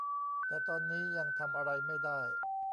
แต่ตอนนี้ยังทำอะไรไม่ได้